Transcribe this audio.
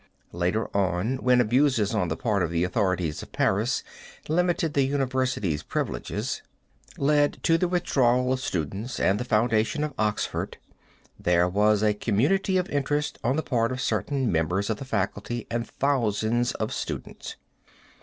Later on, when abuses on the part of the authorities of Paris limited the University's privileges, led to the withdrawal of students and the foundation of Oxford, there was a community of interest on the part of certain members of the faculty and thousands of students.